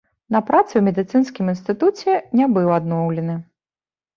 На працы ў медыцынскім інстытуце не быў адноўлены.